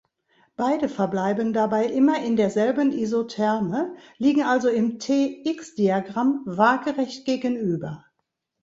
Beide verbleiben dabei immer in derselben Isotherme, liegen also im T-x-Diagramm waagerecht gegenüber.